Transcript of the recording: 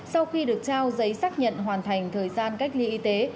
sau khi được trao giấy xác nhận hoàn thành thời gian cách ly y tế